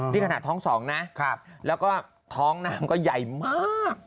นี่ขนาดท้อง๒นะแล้วก็ท้องน้ำก็ใหญ่มาก